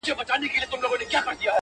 نظم لږ اوږد دی امید لرم چي وې لولی,